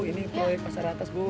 ini pak pasar atas bu